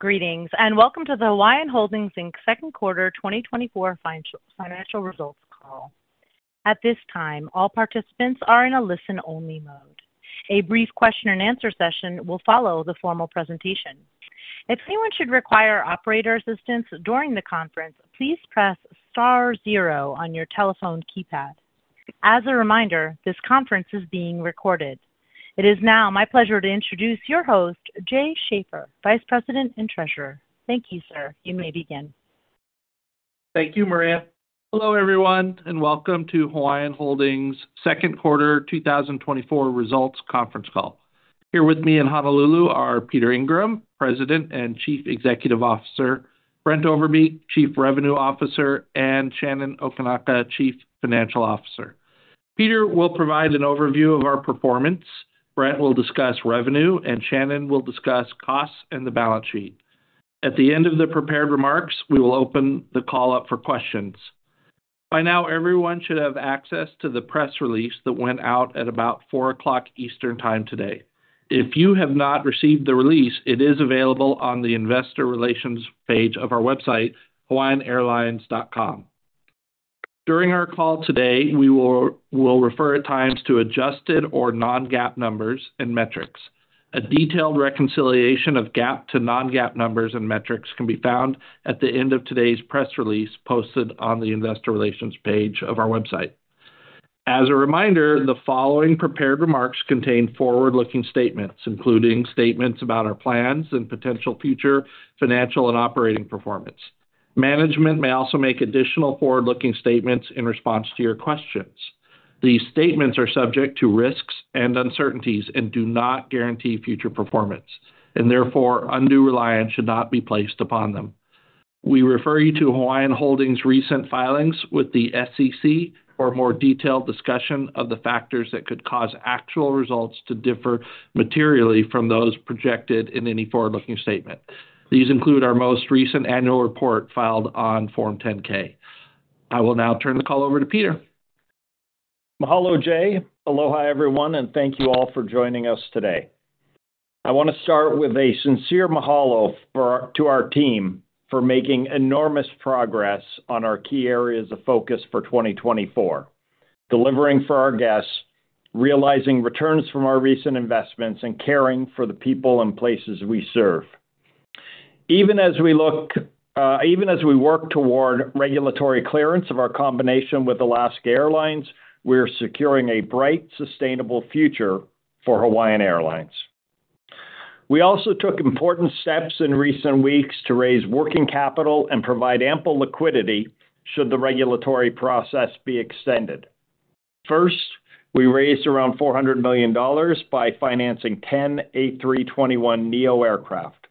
Greetings, and welcome to the Hawaiian Holdings, Inc. Second Quarter 2024 Financial Results Call. At this time, all participants are in a listen-only mode. A brief question-and-answer session will follow the formal presentation. If anyone should require operator assistance during the conference, please press star zero on your telephone keypad. As a reminder, this conference is being recorded. It is now my pleasure to introduce your host, Jay Schaefer, Vice President and Treasurer. Thank you, sir. You may begin. Thank you, Maria. Hello, everyone, and welcome to Hawaiian Holdings' Second Quarter 2024 Results Conference Call. Here with me in Honolulu are Peter Ingram, President and Chief Executive Officer, Brent Overbeek, Chief Revenue Officer, and Shannon Okinaka, Chief Financial Officer. Peter will provide an overview of our performance. Brent will discuss revenue, and Shannon will discuss costs and the balance sheet. At the end of the prepared remarks, we will open the call up for questions. By now, everyone should have access to the press release that went out at about 4:00 P.M. Eastern Time today. If you have not received the release, it is available on the Investor Relations page of our website, hawaiianairlines.com. During our call today, we will refer at times to adjusted or non-GAAP numbers and metrics. A detailed reconciliation of GAAP to non-GAAP numbers and metrics can be found at the end of today's press release posted on the Investor Relations page of our website. As a reminder, the following prepared remarks contain forward-looking statements, including statements about our plans and potential future financial and operating performance. Management may also make additional forward-looking statements in response to your questions. These statements are subject to risks and uncertainties and do not guarantee future performance, and therefore undue reliance should not be placed upon them. We refer you to Hawaiian Holdings' recent filings with the SEC for more detailed discussion of the factors that could cause actual results to differ materially from those projected in any forward-looking statement. These include our most recent annual report filed on Form 10-K. I will now turn the call over to Peter. Mahalo, Jay. Aloha, everyone, and thank you all for joining us today. I want to start with a sincere mahalo to our team for making enormous progress on our key areas of focus for 2024, delivering for our guests, realizing returns from our recent investments, and caring for the people and places we serve. Even as we work toward regulatory clearance of our combination with Alaska Airlines, we are securing a bright, sustainable future for Hawaiian Airlines. We also took important steps in recent weeks to raise working capital and provide ample liquidity should the regulatory process be extended. First, we raised around $400 million by financing 10 A321neo aircraft.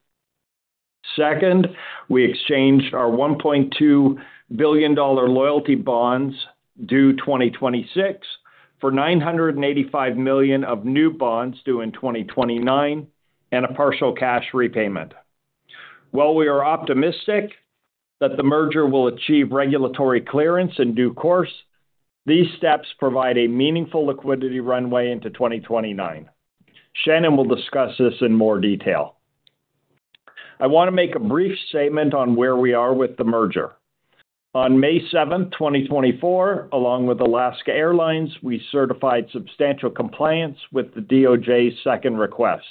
Second, we exchanged our $1.2 billion loyalty bonds due 2026 for $985 million of new bonds due in 2029 and a partial cash repayment. While we are optimistic that the merger will achieve regulatory clearance in due course, these steps provide a meaningful liquidity runway into 2029. Shannon will discuss this in more detail. I want to make a brief statement on where we are with the merger. On May 7, 2024, along with Alaska Airlines, we certified substantial compliance with the DOJ's second request.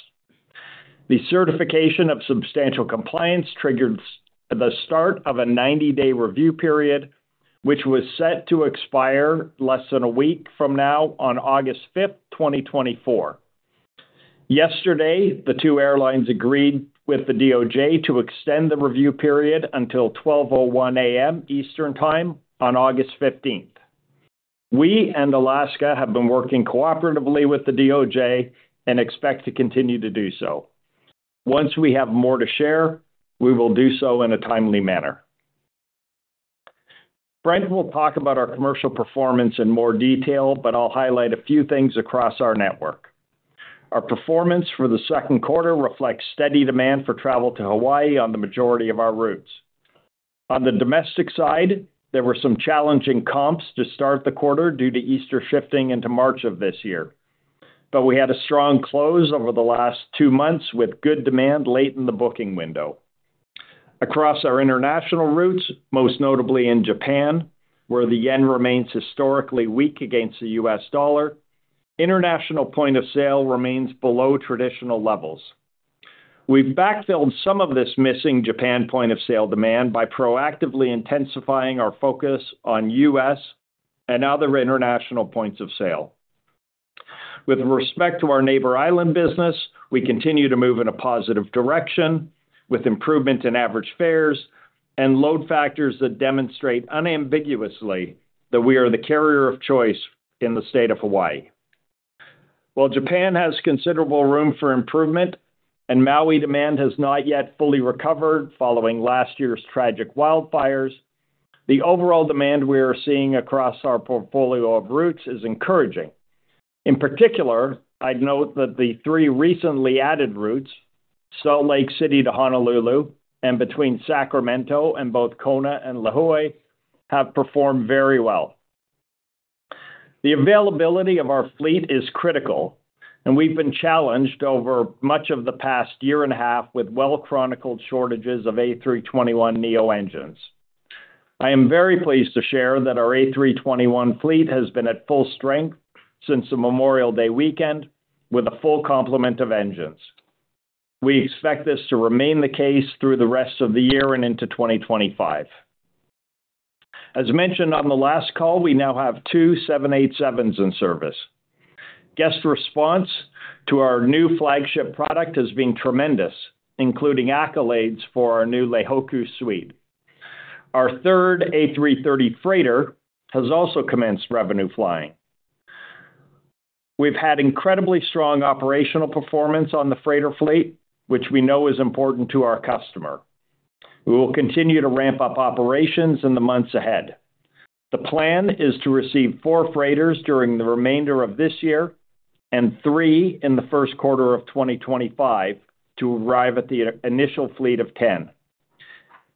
The certification of substantial compliance triggered the start of a 90-day review period, which was set to expire less than a week from now on August 5th, 2024. Yesterday, the two airlines agreed with the DOJ to extend the review period until 12:01 A.M. Eastern Time on August 15th. We and Alaska have been working cooperatively with the DOJ and expect to continue to do so. Once we have more to share, we will do so in a timely manner. Brent will talk about our commercial performance in more detail, but I'll highlight a few things across our network. Our performance for the second quarter reflects steady demand for travel to Hawaii on the majority of our routes. On the domestic side, there were some challenging comps to start the quarter due to Easter shifting into March of this year, but we had a strong close over the last two months with good demand late in the booking window. Across our international routes, most notably in Japan, where the yen remains historically weak against the U.S. dollar, international point of sale remains below traditional levels. We've backfilled some of this missing Japan point of sale demand by proactively intensifying our focus on U.S. and other international points of sale. With respect to our Neighbor Island business, we continue to move in a positive direction with improvement in average fares and load factors that demonstrate unambiguously that we are the carrier of choice in the state of Hawaii. While Japan has considerable room for improvement and Maui demand has not yet fully recovered following last year's tragic wildfires, the overall demand we are seeing across our portfolio of routes is encouraging. In particular, I'd note that the three recently added routes, Salt Lake City to Honolulu and between Sacramento and both Kona and Lihue, have performed very well. The availability of our fleet is critical, and we've been challenged over much of the past year and a half with well-chronicled shortages of A321neo engines. I am very pleased to share that our A321 fleet has been at full strength since the Memorial Day weekend, with a full complement of engines. We expect this to remain the case through the rest of the year and into 2025. As mentioned on the last call, we now have 2 787s in service. Guest response to our new flagship product has been tremendous, including accolades for our new Leihōkū Suite. Our third A330 freighter has also commenced revenue flying. We've had incredibly strong operational performance on the freighter fleet, which we know is important to our customer. We will continue to ramp up operations in the months ahead. The plan is to receive 4 freighters during the remainder of this year and 3 in the first quarter of 2025 to arrive at the initial fleet of 10.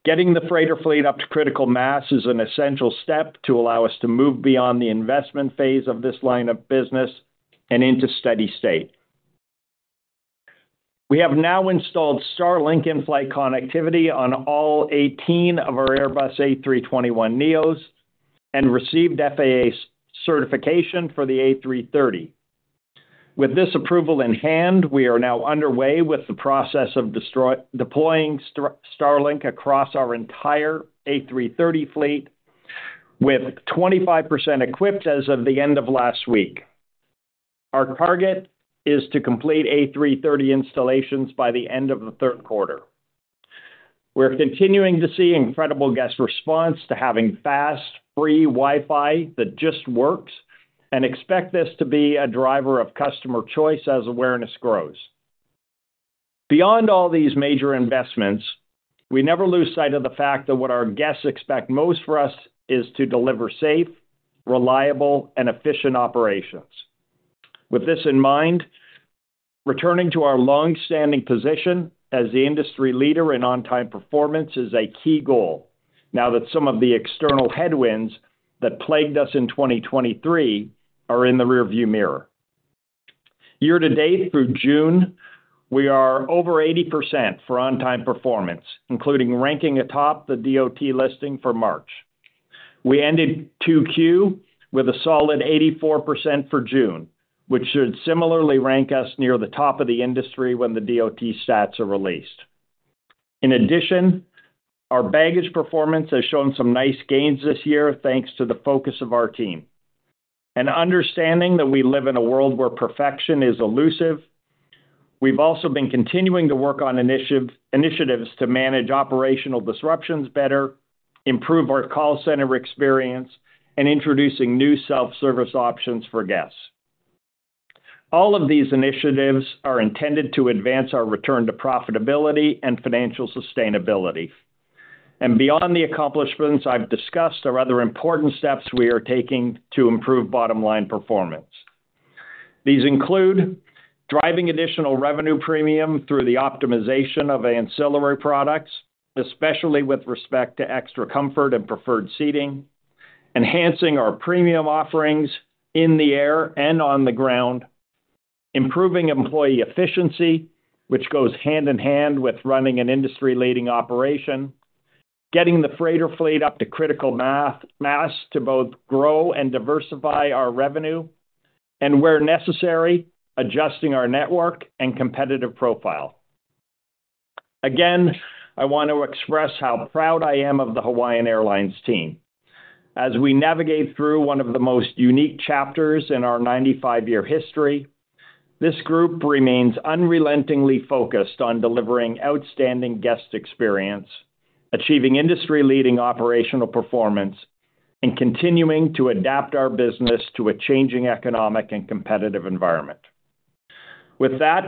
Getting the freighter fleet up to critical mass is an essential step to allow us to move beyond the investment phase of this line of business and into steady state. We have now installed Starlink in-flight connectivity on all 18 of our Airbus A321neos and received FAA certification for the A330. With this approval in hand, we are now underway with the process of deploying Starlink across our entire A330 fleet, with 25% equipped as of the end of last week. Our target is to complete A330 installations by the end of the third quarter. We're continuing to see incredible guest response to having fast, free Wi-Fi that just works, and expect this to be a driver of customer choice as awareness grows. Beyond all these major investments, we never lose sight of the fact that what our guests expect most for us is to deliver safe, reliable, and efficient operations. With this in mind, returning to our long-standing position as the industry leader in on-time performance is a key goal now that some of the external headwinds that plagued us in 2023 are in the rearview mirror. Year-to-date through June, we are over 80% for on-time performance, including ranking atop the DOT listing for March. We ended Q2 with a solid 84% for June, which should similarly rank us near the top of the industry when the DOT stats are released. In addition, our baggage performance has shown some nice gains this year thanks to the focus of our team. Understanding that we live in a world where perfection is elusive, we've also been continuing to work on initiatives to manage operational disruptions better, improve our call center experience, and introduce new self-service options for guests. All of these initiatives are intended to advance our return to profitability and financial sustainability. Beyond the accomplishments I've discussed, there are other important steps we are taking to improve bottom-line performance. These include driving additional revenue premium through the optimization of ancillary products, especially with respect to Extra Comfort and Preferred Seating, enhancing our premium offerings in the air and on the ground, improving employee efficiency, which goes hand in hand with running an industry-leading operation, getting the freighter fleet up to critical mass to both grow and diversify our revenue, and where necessary, adjusting our network and competitive profile. Again, I want to express how proud I am of the Hawaiian Airlines team. As we navigate through one of the most unique chapters in our 95-year history, this group remains unrelentingly focused on delivering outstanding guest experience, achieving industry-leading operational performance, and continuing to adapt our business to a changing economic and competitive environment. With that,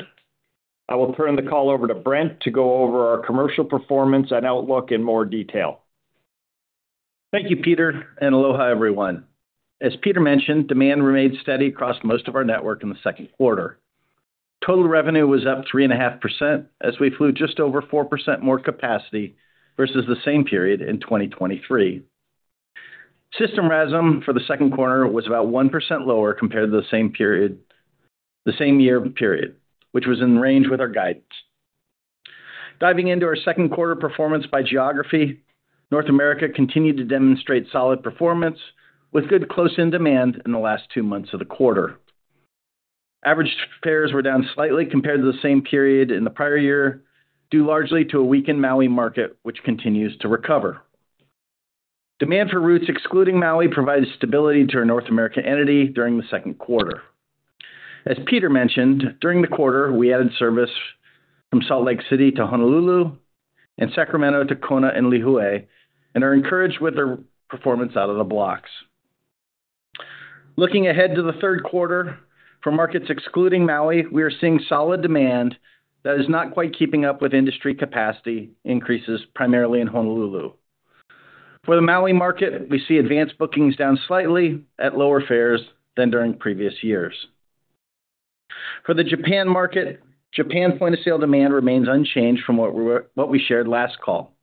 I will turn the call over to Brent to go over our commercial performance and outlook in more detail. Thank you, Peter, and aloha, everyone. As Peter mentioned, demand remained steady across most of our network in the second quarter. Total revenue was up 3.5% as we flew just over 4% more capacity versus the same period in 2023. System RASM for the second quarter was about 1% lower compared to the same period, the same year period, which was in range with our guidance. Diving into our second quarter performance by geography, North America continued to demonstrate solid performance with good close-in demand in the last two months of the quarter. Average fares were down slightly compared to the same period in the prior year due largely to a weakened Maui market, which continues to recover. Demand for routes excluding Maui provided stability to our North American entity during the second quarter. As Peter mentioned, during the quarter, we added service from Salt Lake City to Honolulu and Sacramento to Kona and Lihue and are encouraged with our performance out of the blocks. Looking ahead to the third quarter, for markets excluding Maui, we are seeing solid demand that is not quite keeping up with industry capacity increases primarily in Honolulu. For the Maui market, we see advanced bookings down slightly at lower fares than during previous years. For the Japan market, Japan point of sale demand remains unchanged from what we shared last call,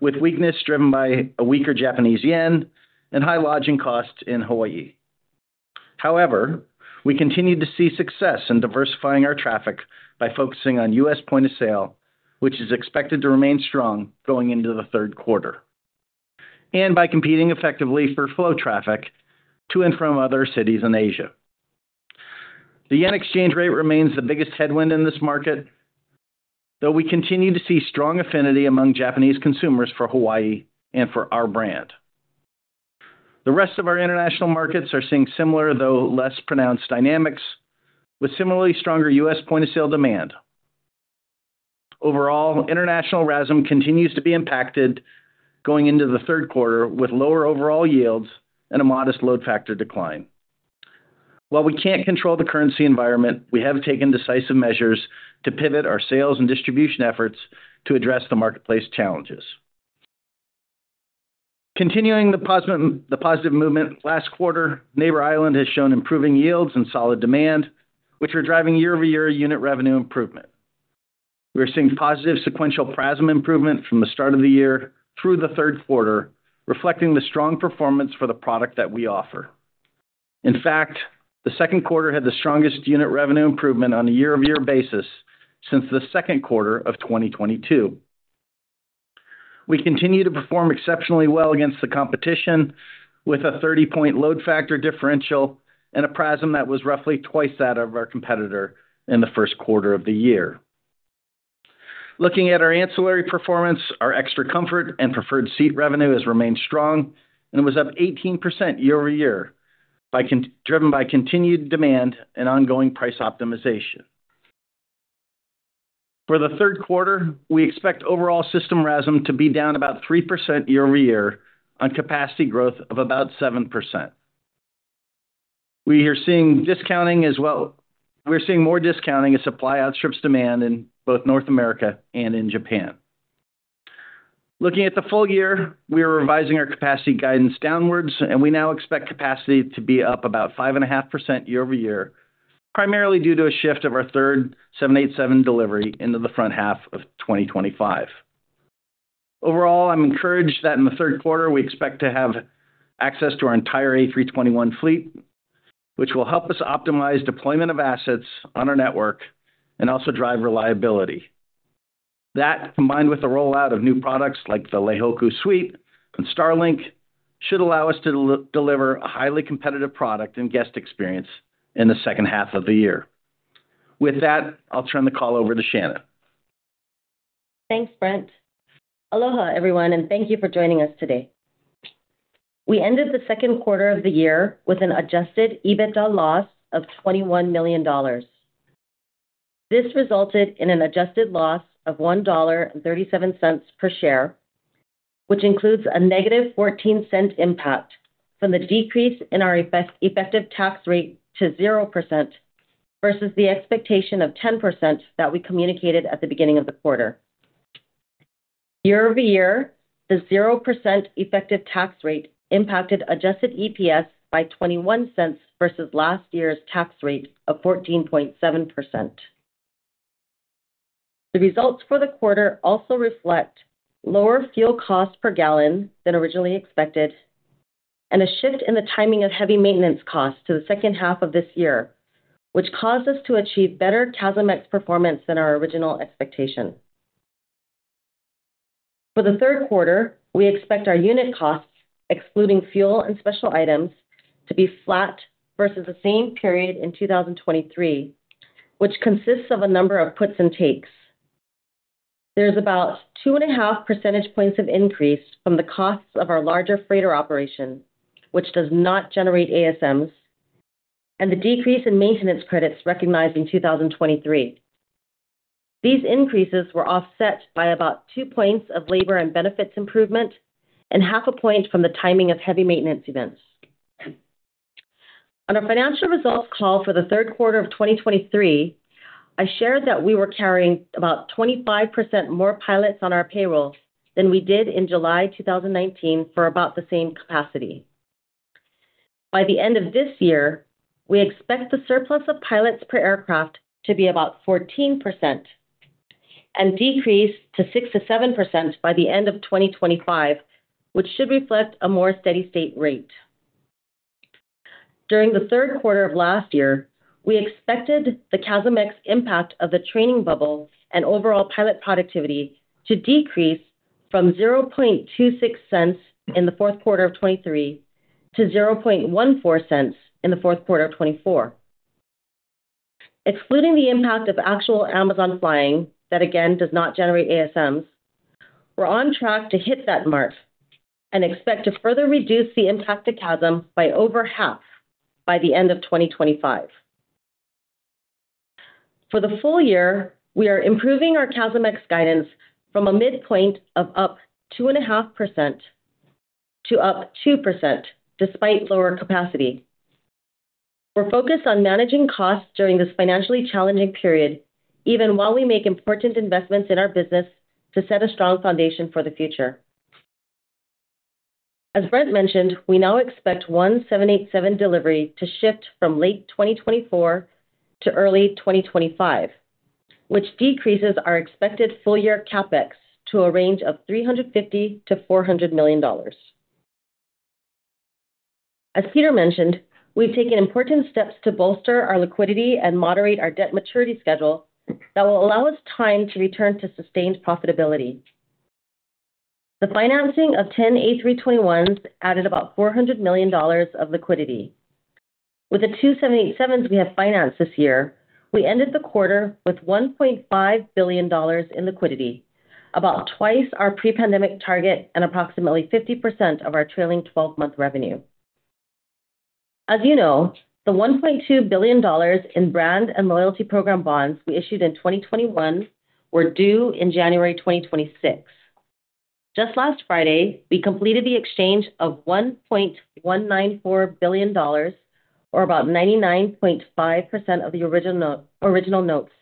with weakness driven by a weaker Japanese yen and high lodging costs in Hawaii. However, we continue to see success in diversifying our traffic by focusing on U.S. point of sale, which is expected to remain strong going into the third quarter, and by competing effectively for flow traffic to and from other cities in Asia. The yen exchange rate remains the biggest headwind in this market, though we continue to see strong affinity among Japanese consumers for Hawaii and for our brand. The rest of our international markets are seeing similar, though less pronounced dynamics, with similarly stronger U.S. point of sale demand. Overall, international RASM continues to be impacted going into the third quarter with lower overall yields and a modest load factor decline. While we can't control the currency environment, we have taken decisive measures to pivot our sales and distribution efforts to address the marketplace challenges. Continuing the positive movement, last quarter, Neighbor Island has shown improving yields and solid demand, which are driving year-over-year unit revenue improvement. We are seeing positive sequential PRASM improvement from the start of the year through the third quarter, reflecting the strong performance for the product that we offer. In fact, the second quarter had the strongest unit revenue improvement on a year-over-year basis since the second quarter of 2022. We continue to perform exceptionally well against the competition with a 30-point load factor differential and a PRASM that was roughly twice that of our competitor in the first quarter of the year. Looking at our ancillary performance, our Extra Comfort and preferred seat revenue has remained strong, and it was up 18% year-over-year driven by continued demand and ongoing price optimization. For the third quarter, we expect overall system RASM to be down about 3% year-over-year on capacity growth of about 7% We are seeing discounting as well. We're seeing more discounting as supply outstrips demand in both North America and in Japan. Looking at the full year, we are revising our capacity guidance downwards, and we now expect capacity to be up about 5.5% year-over-year, primarily due to a shift of our third 787 delivery into the front half of 2025. Overall, I'm encouraged that in the third quarter, we expect to have access to our entire A321 fleet, which will help us optimize deployment of assets on our network and also drive reliability. That, combined with the rollout of new products like the Leihōkū suite and Starlink, should allow us to deliver a highly competitive product and guest experience in the second half of the year. With that, I'll turn the call over to Shannon. Thanks, Brent. Aloha, everyone, and thank you for joining us today. We ended the second quarter of the year with an adjusted EBITDA loss of $21 million. This resulted in an adjusted loss of $1.37 per share, which includes a negative $0.14 impact from the decrease in our effective tax rate to 0% versus the expectation of 10% that we communicated at the beginning of the quarter. Year-over-year, the 0% effective tax rate impacted adjusted EPS by $0.21 versus last year's tax rate of 14.7%. The results for the quarter also reflect lower fuel costs per gallon than originally expected and a shift in the timing of heavy maintenance costs to the second half of this year, which caused us to achieve better CASM-ex performance than our original expectation. For the third quarter, we expect our unit costs, excluding fuel and special items, to be flat versus the same period in 2023, which consists of a number of puts and takes. There's about 2.5 percentage points of increase from the costs of our larger freighter operation, which does not generate ASMs, and the decrease in maintenance credits recognized in 2023. These increases were offset by about 2 points of labor and benefits improvement and 0.5 point from the timing of heavy maintenance events. On our financial results call for the third quarter of 2023, I shared that we were carrying about 25% more pilots on our payroll than we did in July 2019 for about the same capacity. By the end of this year, we expect the surplus of pilots per aircraft to be about 14% and decrease to 6%-7% by the end of 2025, which should reflect a more steady-state rate. During the third quarter of last year, we expected the CASM-ex impact of the training bubble and overall pilot productivity to decrease from $0.0026 in the fourth quarter of 2023 to $0.0014 in the fourth quarter of 2024. Excluding the impact of actual Amazon flying that, again, does not generate ASMs, we're on track to hit that mark and expect to further reduce the impact of CASM-ex by over half by the end of 2025. For the full year, we are improving our CASM-ex guidance from a midpoint of up 2.5% to up 2% despite lower capacity. We're focused on managing costs during this financially challenging period, even while we make important investments in our business to set a strong foundation for the future. As Brent mentioned, we now expect 1 787 delivery to shift from late 2024 to early 2025, which decreases our expected full-year CapEx to a range of $350 million-$400 million. As Peter mentioned, we've taken important steps to bolster our liquidity and moderate our debt maturity schedule that will allow us time to return to sustained profitability. The financing of 10 A321s added about $400 million of liquidity. With the 2 787s we have financed this year, we ended the quarter with $1.5 billion in liquidity, about twice our pre-pandemic target and approximately 50% of our trailing 12-month revenue. As you know, the $1.2 billion in brand and loyalty program bonds we issued in 2021 were due in January 2026. Just last Friday, we completed the exchange of $1.194 billion, or about 99.5% of the original notes,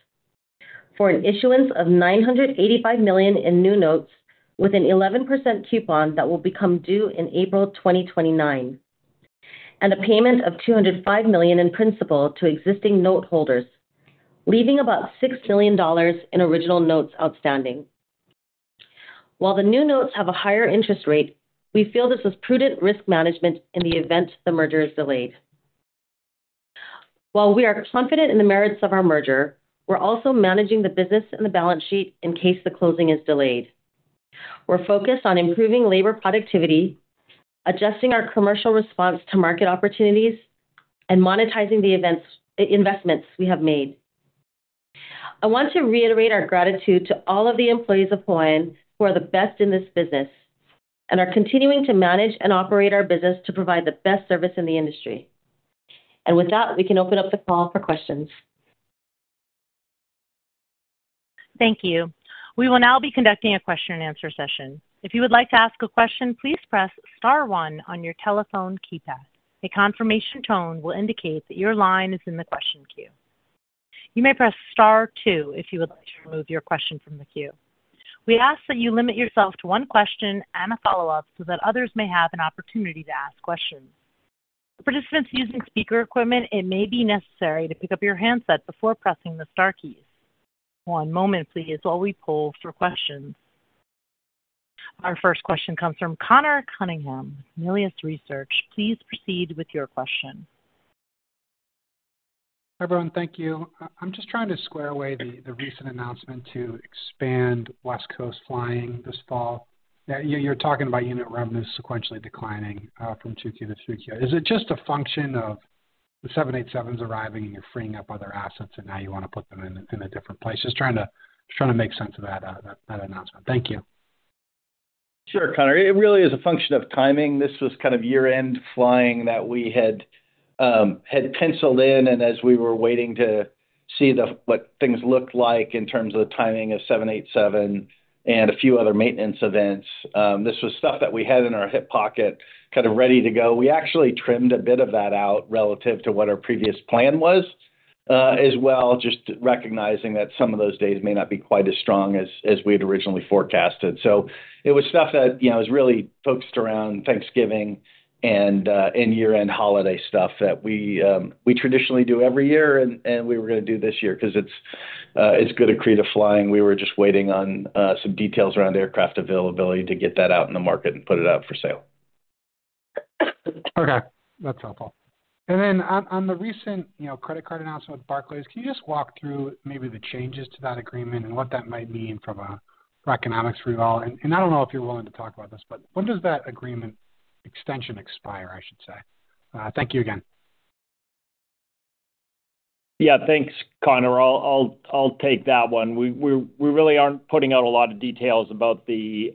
for an issuance of $985 million in new notes with an 11% coupon that will become due in April 2029, and a payment of $205 million in principal to existing noteholders, leaving about $6 million in original notes outstanding. While the new notes have a higher interest rate, we feel this was prudent risk management in the event the merger is delayed. While we are confident in the merits of our merger, we're also managing the business and the balance sheet in case the closing is delayed. We're focused on improving labor productivity, adjusting our commercial response to market opportunities, and monetizing the investments we have made. I want to reiterate our gratitude to all of the employees of Hawaiian who are the best in this business and are continuing to manage and operate our business to provide the best service in the industry. With that, we can open up the call for questions. Thank you. We will now be conducting a question-and-answer session. If you would like to ask a question, please press Star 1 on your telephone keypad. A confirmation tone will indicate that your line is in the question queue. You may press Star 2 if you would like to remove your question from the queue. We ask that you limit yourself to one question and a follow-up so that others may have an opportunity to ask questions. For participants using speaker equipment, it may be necessary to pick up your handset before pressing the Star keys. One moment, please, while we pull for questions. Our first question comes from Conor Cunningham, Melius Research. Please proceed with your question. Everyone, thank you. I'm just trying to square away the recent announcement to expand West Coast flying this fall. You're talking about unit revenues sequentially declining from 2Q to 3Q. Is it just a function of the 787s arriving and you're freeing up other assets and now you want to put them in a different place? Just trying to make sense of that announcement. Thank you. Sure, Conor. It really is a function of timing. This was kind of year-end flying that we had penciled in, and as we were waiting to see what things looked like in terms of the timing of 787 and a few other maintenance events, this was stuff that we had in our hip pocket kind of ready to go. We actually trimmed a bit of that out relative to what our previous plan was as well, just recognizing that some of those days may not be quite as strong as we had originally forecasted. So it was stuff that was really focused around Thanksgiving and year-end holiday stuff that we traditionally do every year, and we were going to do this year because it's good to create a flying. We were just waiting on some details around aircraft availability to get that out in the market and put it out for sale. Okay. That's helpful. And then on the recent credit card announcement with Barclays, can you just walk through maybe the changes to that agreement and what that might mean for economics for you all? And I don't know if you're willing to talk about this, but when does that agreement extension expire, I should say? Thank you again. Yeah, thanks, Conor. I'll take that one. We really aren't putting out a lot of details about the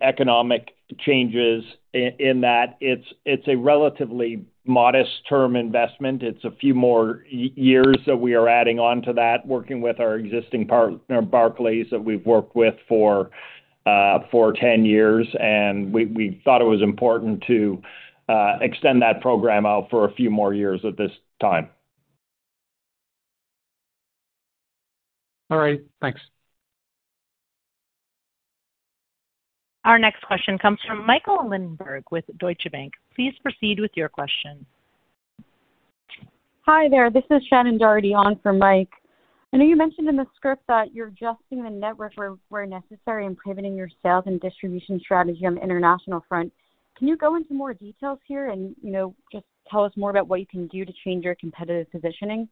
economic changes in that. It's a relatively modest term investment. It's a few more years that we are adding on to that, working with our existing partner, Barclays, that we've worked with for 10 years, and we thought it was important to extend that program out for a few more years at this time. All right. Thanks. Our next question comes from Michael Linenberg with Deutsche Bank. Please proceed with your question. Hi there. This is Shannon Doherty on for Mike. I know you mentioned in the script that you're adjusting the network where necessary and pivoting your sales and distribution strategy on the international front. Can you go into more details here and just tell us more about what you can do to change your competitive positioning?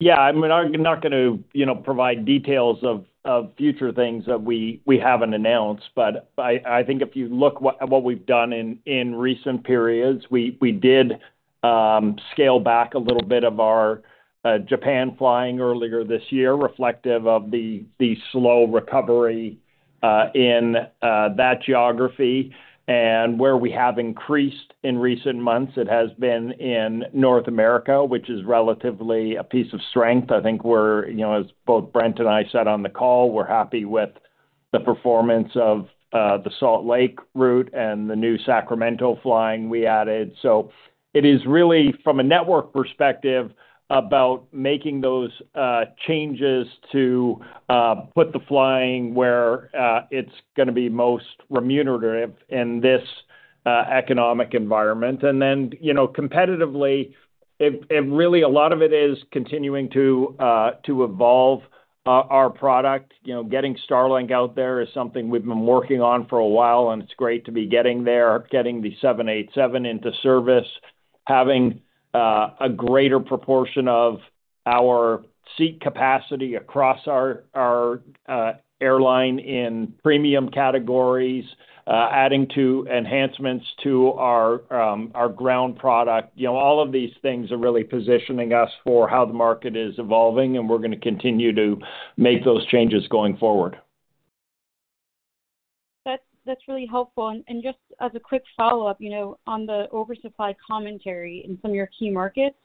Yeah. I'm not going to provide details of future things that we haven't announced, but I think if you look at what we've done in recent periods, we did scale back a little bit of our Japan flying earlier this year, reflective of the slow recovery in that geography. And where we have increased in recent months, it has been in North America, which is relatively a piece of strength. I think, as both Brent and I said on the call, we're happy with the performance of the Salt Lake route and the new Sacramento flying we added. So it is really, from a network perspective, about making those changes to put the flying where it's going to be most remunerative in this economic environment. And then competitively, really, a lot of it is continuing to evolve our product. Getting Starlink out there is something we've been working on for a while, and it's great to be getting there, getting the 787 into service, having a greater proportion of our seat capacity across our airline in premium categories, adding to enhancements to our ground product. All of these things are really positioning us for how the market is evolving, and we're going to continue to make those changes going forward. That's really helpful. And just as a quick follow-up on the oversupply commentary in some of your key markets,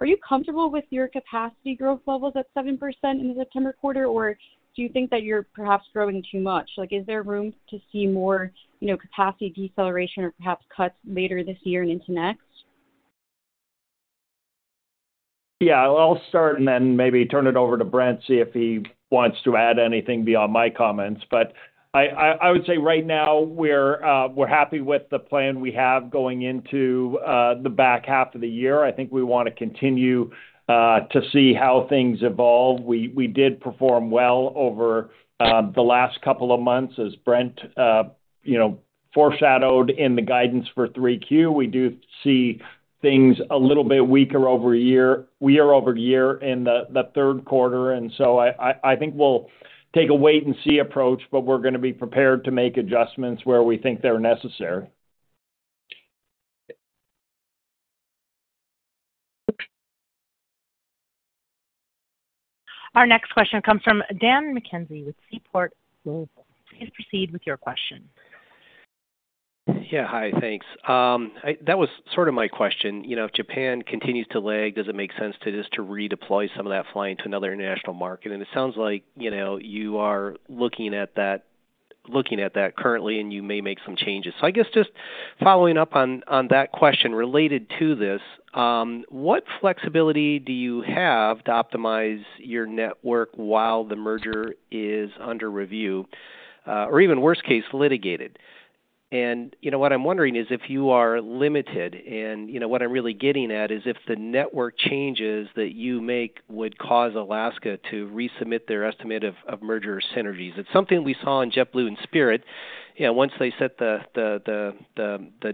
are you comfortable with your capacity growth levels at 7% in the September quarter, or do you think that you're perhaps growing too much? Is there room to see more capacity deceleration or perhaps cuts later this year and into next? Yeah. I'll start and then maybe turn it over to Brent, see if he wants to add anything beyond my comments. But I would say right now, we're happy with the plan we have going into the back half of the year. I think we want to continue to see how things evolve. We did perform well over the last couple of months, as Brent foreshadowed in the guidance for 3Q. We do see things a little bit weaker year-over-year in the third quarter. So I think we'll take a wait-and-see approach, but we're going to be prepared to make adjustments where we think they're necessary. Our next question comes from Dan McKenzie with Seaport Global. Please proceed with your question. Yeah. Hi, thanks. That was sort of my question. If Japan continues to lag, does it make sense to just redeploy some of that flying to another international market? And it sounds like you are looking at that currently, and you may make some changes. So I guess just following up on that question related to this, what flexibility do you have to optimize your network while the merger is under review, or even worst case, litigated? And what I'm wondering is if you are limited, and what I'm really getting at is if the network changes that you make would cause Alaska to resubmit their estimate of merger synergies. It's something we saw in JetBlue and Spirit. Once they set the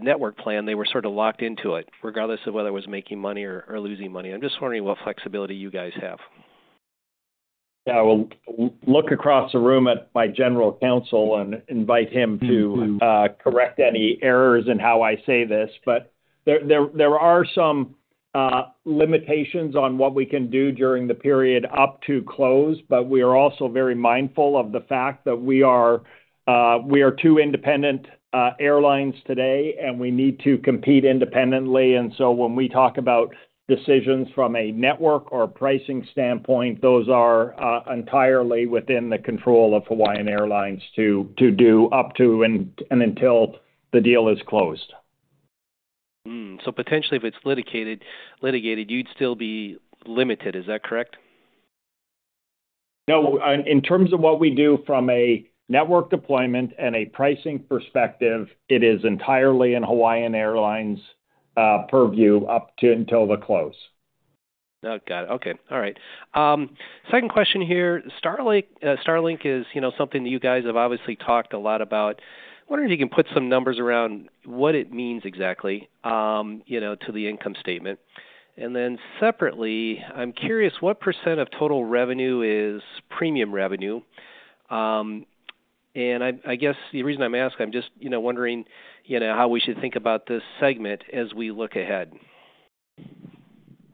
network plan, they were sort of locked into it, regardless of whether it was making money or losing money. I'm just wondering what flexibility you guys have. Yeah. We'll look across the room at my general counsel and invite him to correct any errors in how I say this. But there are some limitations on what we can do during the period up to close, but we are also very mindful of the fact that we are two independent airlines today, and we need to compete independently. And so when we talk about decisions from a network or pricing standpoint, those are entirely within the control of Hawaiian Airlines to do up to and until the deal is closed. Potentially, if it's litigated, you'd still be limited. Is that correct? No. In terms of what we do from a network deployment and a pricing perspective, it is entirely in Hawaiian Airlines' purview up to and until the close. Got it. Okay. All right. Second question here. Starlink is something that you guys have obviously talked a lot about. I wonder if you can put some numbers around what it means exactly to the income statement. And then separately, I'm curious what % of total revenue is premium revenue. And I guess the reason I'm asking, I'm just wondering how we should think about this segment as we look ahead.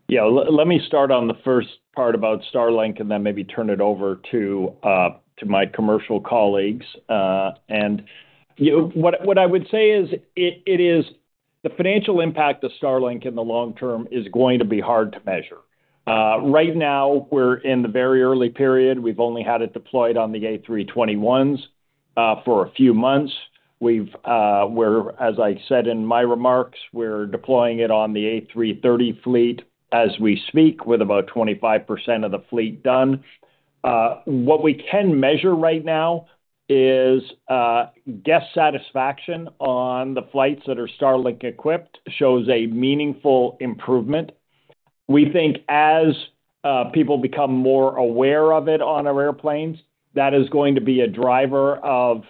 Yeah. Let me start on the first part about Starlink and then maybe turn it over to my commercial colleagues. What I would say is the financial impact of Starlink in the long term is going to be hard to measure. Right now, we're in the very early period. We've only had it deployed on the A321s for a few months. As I said in my remarks, we're deploying it on the A330 fleet as we speak with about 25% of the fleet done. What we can measure right now is guest satisfaction on the flights that are Starlink-equipped shows a meaningful improvement. We think as people become more aware of it on our airplanes, that is going to be a driver of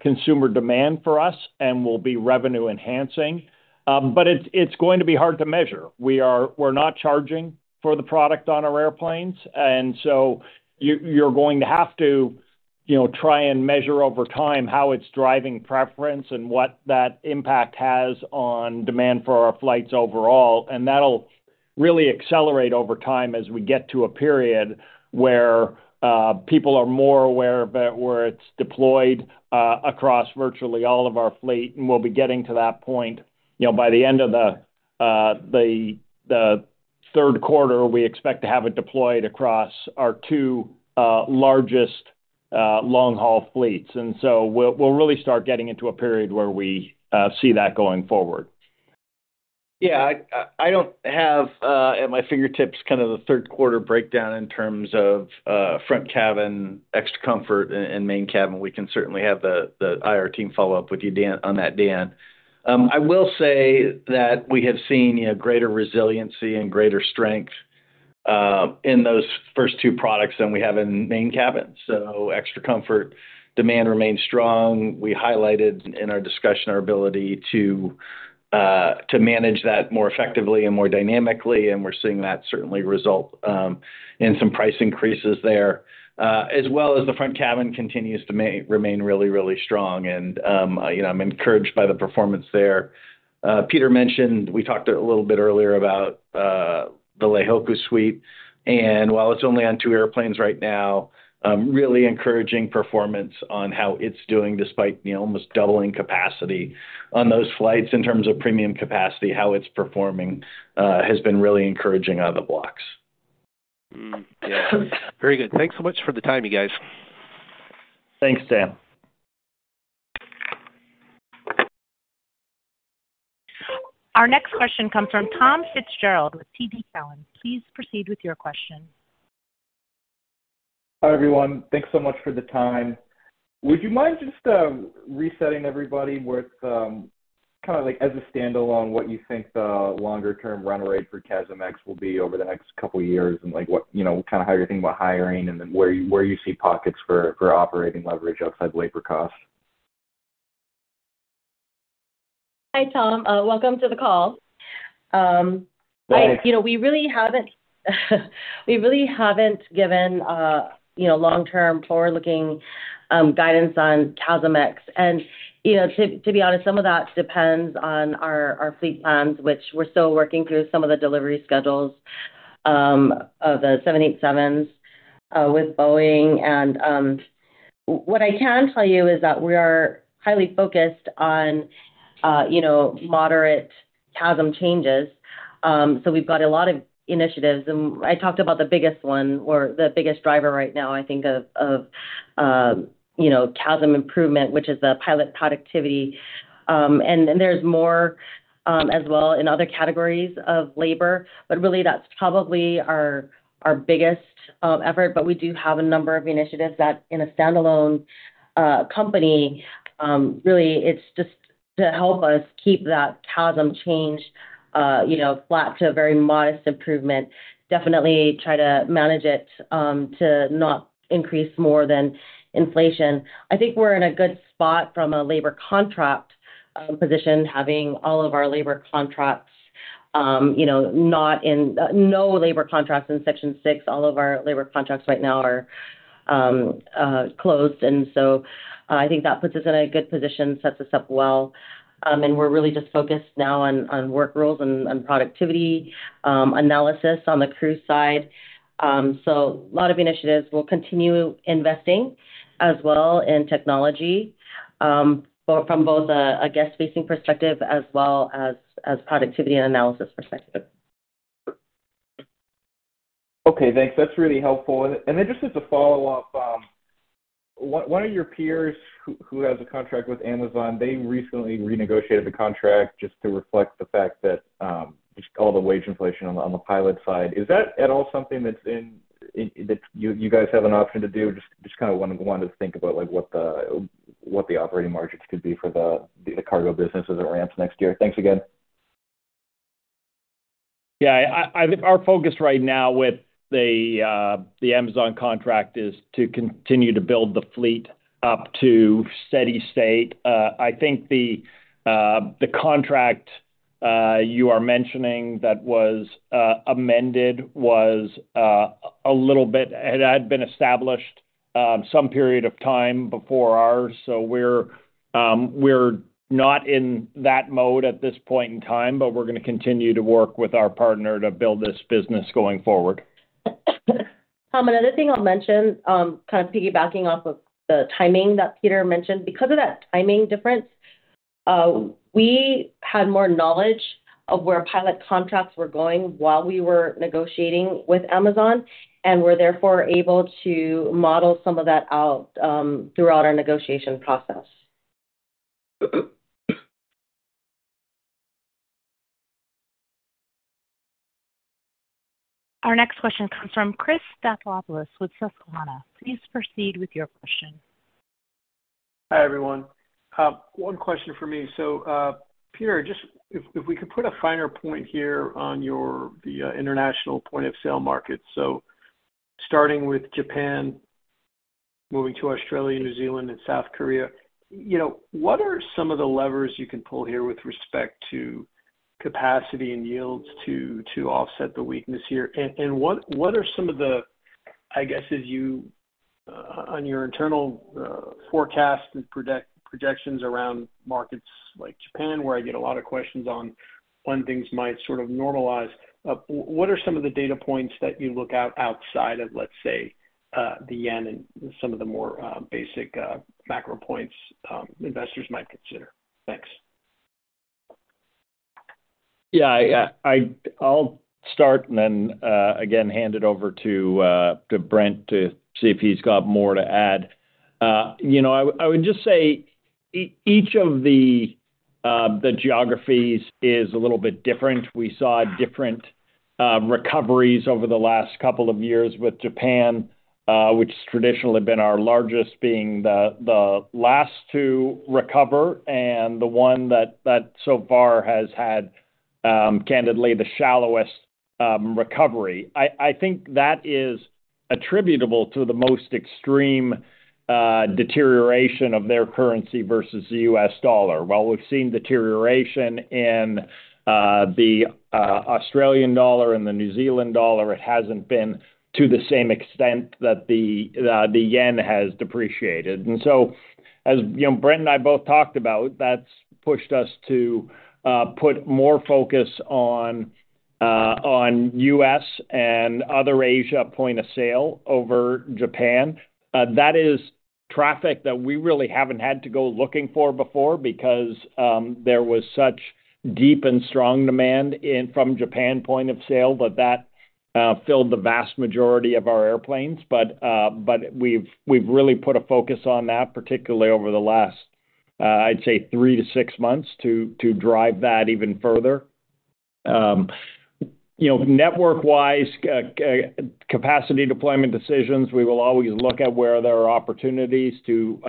consumer demand for us and will be revenue-enhancing. But it's going to be hard to measure. We're not charging for the product on our airplanes, and so you're going to have to try and measure over time how it's driving preference and what that impact has on demand for our flights overall. That'll really accelerate over time as we get to a period where people are more aware of it, where it's deployed across virtually all of our fleet. We'll be getting to that point by the end of the third quarter. We expect to have it deployed across our two largest long-haul fleets. So we'll really start getting into a period where we see that going forward. Yeah. I don't have at my fingertips kind of the third quarter breakdown in terms of front cabin, Extra Comfort, and Main Cabin. We can certainly have the IR team follow up with you, Dan, on that, Dan. I will say that we have seen greater resiliency and greater strength in those first two products than we have in Main Cabin. So Extra Comfort demand remains strong. We highlighted in our discussion our ability to manage that more effectively and more dynamically, and we're seeing that certainly result in some price increases there, as well as the front cabin continues to remain really, really strong. And I'm encouraged by the performance there. Peter mentioned we talked a little bit earlier about the Leihōkū Suites. And while it's only on 2 airplanes right now, really encouraging performance on how it's doing despite almost doubling capacity on those flights in terms of premium capacity, how it's performing has been really encouraging out of the blocks. Yeah. Very good. Thanks so much for the time, you guys. Thanks, Dan. Our next question comes from Tom Fitzgerald with TD Cowen. Please proceed with your question. Hi, everyone. Thanks so much for the time. Would you mind just resetting everybody with kind of as a standalone what you think the longer-term run rate for CASM-ex will be over the next couple of years and kind of how you're thinking about hiring and then where you see pockets for operating leverage outside labor cost? Hi, Tom. Welcome to the call. We really haven't given long-term forward-looking guidance on CASM-ex. To be honest, some of that depends on our fleet plans, which we're still working through some of the delivery schedules of the 787s with Boeing. What I can tell you is that we are highly focused on moderate CASM changes. So we've got a lot of initiatives. I talked about the biggest one or the biggest driver right now, I think, of CASM improvement, which is the pilot productivity. There's more as well in other categories of labor, but really, that's probably our biggest effort. We do have a number of initiatives that in a standalone company, really, it's just to help us keep that CASM change flat to a very modest improvement, definitely try to manage it to not increase more than inflation. I think we're in a good spot from a labor contract position, having all of our labor contracts not in Section 6. All of our labor contracts right now are closed. And so I think that puts us in a good position, sets us up well. And we're really just focused now on work rules and productivity analysis on the crew side. So a lot of initiatives. We'll continue investing as well in technology from both a guest-facing perspective as well as productivity and analysis perspective. Okay. Thanks. That's really helpful. And then just as a follow-up, one of your peers who has a contract with Amazon, they recently renegotiated the contract just to reflect the fact that all the wage inflation on the pilot side. Is that at all something that you guys have an option to do? Just kind of wanted to think about what the operating margins could be for the cargo businesses as it ramps next year. Thanks again. Yeah. I think our focus right now with the Amazon contract is to continue to build the fleet up to steady state. I think the contract you are mentioning that was amended was a little bit had been established some period of time before ours. So we're not in that mode at this point in time, but we're going to continue to work with our partner to build this business going forward. Tom, another thing I'll mention, kind of piggybacking off of the timing that Peter mentioned, because of that timing difference, we had more knowledge of where pilot contracts were going while we were negotiating with Amazon, and we're therefore able to model some of that out throughout our negotiation process. Our next question comes from Chris Stathoulopoulos with Susquehanna. Please proceed with your question. Hi, everyone. One question for me. So Peter, if we could put a finer point here on the international point-of-sale market, so starting with Japan, moving to Australia, New Zealand, and South Korea, what are some of the levers you can pull here with respect to capacity and yields to offset the weakness here? And what are some of the, I guess, on your internal forecasts and projections around markets like Japan, where I get a lot of questions on when things might sort of normalize? What are some of the data points that you look at outside of, let's say, the yen and some of the more basic macro points investors might consider? Thanks. Yeah. I'll start and then again hand it over to Brent to see if he's got more to add. I would just say each of the geographies is a little bit different. We saw different recoveries over the last couple of years with Japan, which traditionally had been our largest, being the last to recover, and the one that so far has had, candidly, the shallowest recovery. I think that is attributable to the most extreme deterioration of their currency versus the U.S. dollar. While we've seen deterioration in the Australian dollar and the New Zealand dollar, it hasn't been to the same extent that the yen has depreciated. So as Brent and I both talked about, that's pushed us to put more focus on U.S. and other Asia point of sale over Japan. That is traffic that we really haven't had to go looking for before because there was such deep and strong demand from Japan point of sale that that filled the vast majority of our airplanes. But we've really put a focus on that, particularly over the last, I'd say, 3-6 months to drive that even further. Network-wise, capacity deployment decisions, we will always look at where there are opportunities to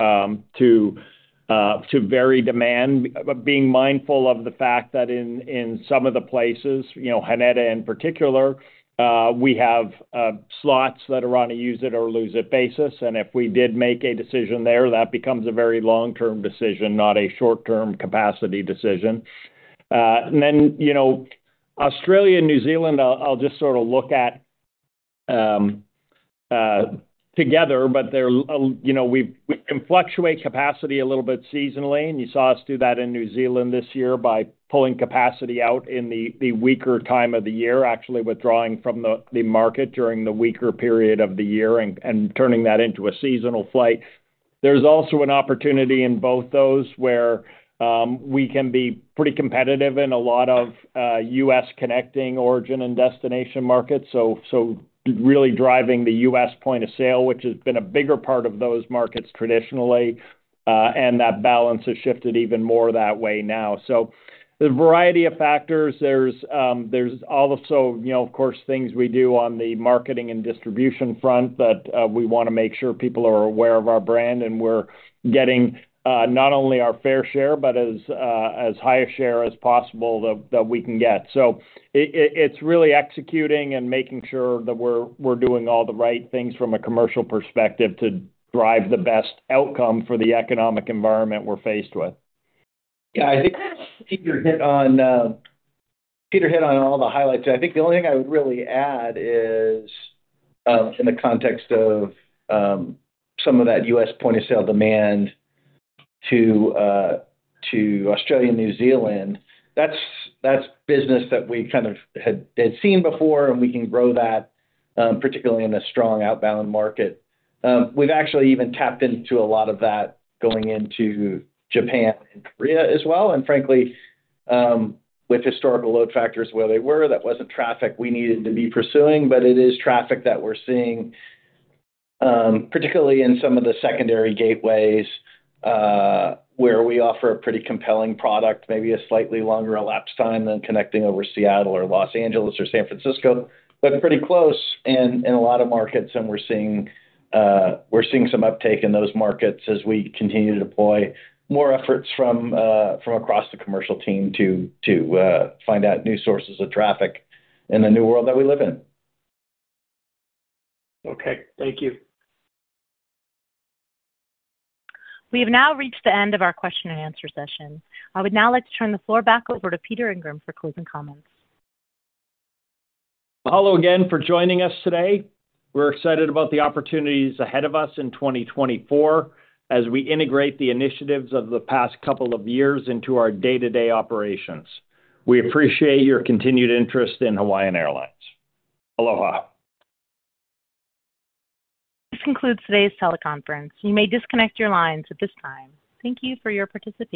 vary demand, being mindful of the fact that in some of the places, Haneda in particular, we have slots that are on a use-it-or-lose-it basis. And if we did make a decision there, that becomes a very long-term decision, not a short-term capacity decision. And then Australia and New Zealand, I'll just sort of look at together, but we can fluctuate capacity a little bit seasonally. You saw us do that in New Zealand this year by pulling capacity out in the weaker time of the year, actually withdrawing from the market during the weaker period of the year and turning that into a seasonal flight. There's also an opportunity in both those where we can be pretty competitive in a lot of U.S. connecting origin and destination markets, so really driving the U.S. point of sale, which has been a bigger part of those markets traditionally, and that balance has shifted even more that way now. So there's a variety of factors. There's also, of course, things we do on the marketing and distribution front that we want to make sure people are aware of our brand, and we're getting not only our fair share but as high a share as possible that we can get. It's really executing and making sure that we're doing all the right things from a commercial perspective to drive the best outcome for the economic environment we're faced with. Yeah. I think Peter hit on all the highlights. I think the only thing I would really add is in the context of some of that U.S. point-of-sale demand to Australia and New Zealand, that's business that we kind of had seen before, and we can grow that, particularly in a strong outbound market. We've actually even tapped into a lot of that going into Japan and Korea as well. And frankly, with historical load factors where they were, that wasn't traffic we needed to be pursuing, but it is traffic that we're seeing, particularly in some of the secondary gateways where we offer a pretty compelling product, maybe a slightly longer elapsed time than connecting over Seattle or Los Angeles or San Francisco, but pretty close in a lot of markets. We're seeing some uptake in those markets as we continue to deploy more efforts from across the commercial team to find out new sources of traffic in the new world that we live in. Okay. Thank you. We have now reached the end of our question-and-answer session. I would now like to turn the floor back over to Peter Ingram for closing comments. Mahalo again for joining us today. We're excited about the opportunities ahead of us in 2024 as we integrate the initiatives of the past couple of years into our day-to-day operations. We appreciate your continued interest in Hawaiian Airlines. Aloha. This concludes today's teleconference. You may disconnect your lines at this time. Thank you for your participation.